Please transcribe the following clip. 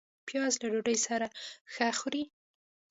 پیاز له ډوډۍ سره ښه خوري